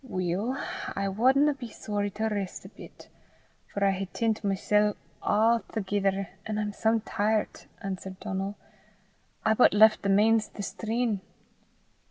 "Weel, I wadna be sorry to rist a bit, for I hae tint mysel' a'thegither, an' I'm some tiret," answered Donal. "I but left the Mains thestreen."